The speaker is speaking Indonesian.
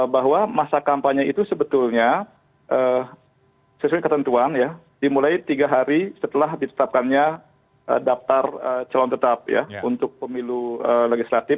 bahwa masa kampanye itu sebetulnya sesuai ketentuan ya dimulai tiga hari setelah ditetapkannya daftar calon tetap ya untuk pemilu legislatif